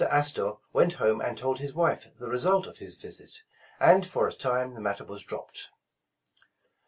Astor went home and told his wife the result of his visit, and for a time the matter was dropped.